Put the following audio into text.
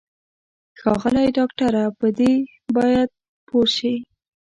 ښاغلی ډاکټره په دې باید پوه شې.